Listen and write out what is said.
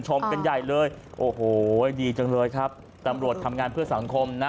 กันใหญ่เลยโอ้โหดีจังเลยครับตำรวจทำงานเพื่อสังคมนะ